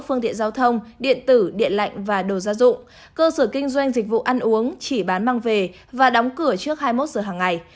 phương tiện giao thông điện tử điện lạnh và đồ gia dụng cơ sở kinh doanh dịch vụ ăn uống chỉ bán mang về và đóng cửa trước hai mươi một giờ hàng ngày